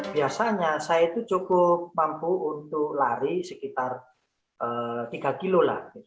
biasanya saya cukup mampu untuk lari sekitar tiga kilo